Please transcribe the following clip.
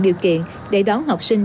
điều kiện để đón học sinh trở lại